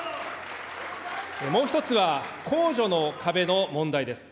もう一つは、控除の壁の問題です。